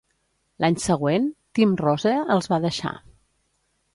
L’any següent Tim Rose els va deixar.